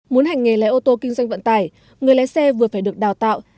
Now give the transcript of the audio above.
muốn hành nghề lái ô tô kinh doanh vận tải người lái xe vừa phải được đào tạo